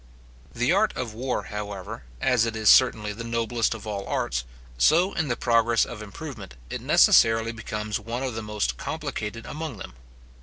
The art of war, however, as it is certainly the noblest of all arts, so, in the progress of improvement, it necessarily becomes one of the most complicated among them.